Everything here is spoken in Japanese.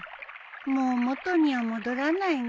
もう元には戻らないね。